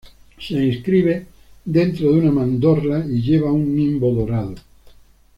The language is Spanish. Se inscribe dentro de una mandorla y lleva un nimbo dorado.